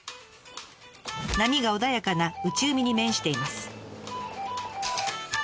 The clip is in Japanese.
波が穏やかな内海に面しています。